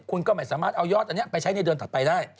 คุณก็ไม่สามารถเอายอดอันนี้ไปใช้ในเดือนถัดไปได้